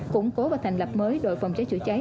củng cố và thành lập mới đội phòng cháy chữa cháy